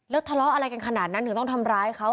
แล้วทะเลาะอะไรกันขนาดนั้นถึงต้องทำร้ายเขา